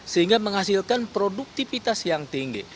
sehingga menghasilkan produktivitas yang tinggi